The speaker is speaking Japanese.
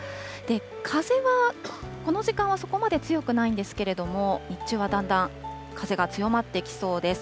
風はこの時間はそこまで強くないんですけれども、日中はだんだん風が強まってきそうです。